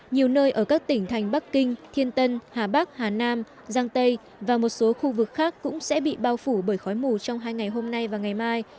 nhiều nơi ở các tỉnh thành bắc kinh thiên tân hà bắc hà nam giang tây và một số khu vực khác cũng sẽ bị bao phủ bởi khói mù trong hai ngày hôm nay và ngày mai